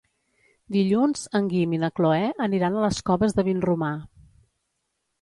Dilluns en Guim i na Cloè aniran a les Coves de Vinromà.